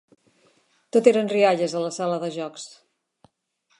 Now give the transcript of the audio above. Tot eren rialles a la sala de jocs.